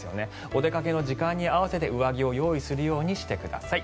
お出かけの時間に合わせて上着を用意するようにしてください。